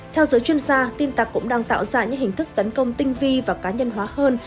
theo giới chuyên gia tin tặc cũng đang tạo ra những hình thức tấn công tinh vi và cá nhân hóa hơn